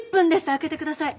開けてください。